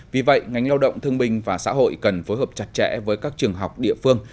vì vậy ngành lao động thương minh và xã hội cần phối hợp chặt chẽ với các trường học địa phương